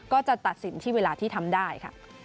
ก็จะตัดสินที่เวลาที่ทำได้ค่ะ